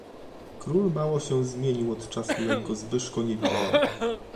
"Król mało się zmienił od czasu jak go Zbyszko nie widział."